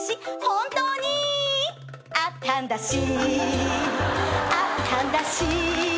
「本当にこの話あったんだし」